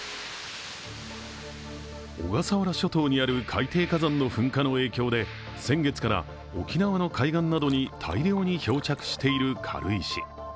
小笠原諸島にある海底火山の噴火の影響で先月から沖縄の海岸などに大量に漂着している軽石。